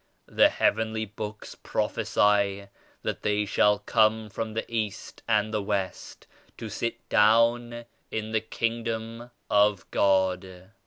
"The Heavenly Books prophesy that they shall come from the East and the West to sit down in the Kingdom of God."